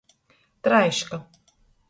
Traiška.